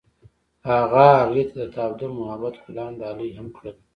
هغه هغې ته د تاوده محبت ګلان ډالۍ هم کړل.